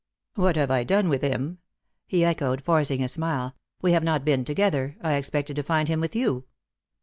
" What have I done with him ?" he echoed, forcing a smile. "We have not been together. I expected to find him with you."